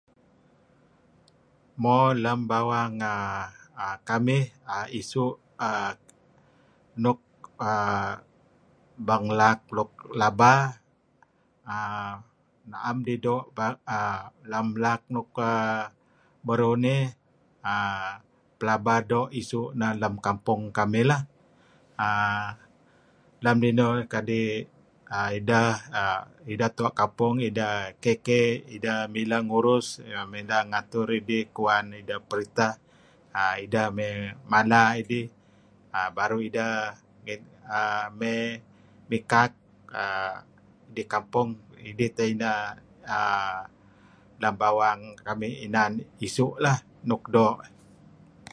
Mo lem bawang err kamih err isu' luk bang laak luk laba err 'am dih doo'. Lem laak luk beruh nih pelaba doo' isu' neh lem kampung kamih lah. err lem linuh uih kadi' ideh err tua kampung, ideh KK ideh mileh ngurus ngatur idih kuwan periteh idih mala idih, baru ideh mey mikak idih teh lem bawang kamih inan isu' luk doo'.